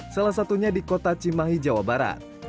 salah satunya di kota cimahi jawa barat